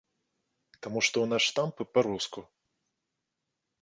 Таму што ў нас штампы па-руску.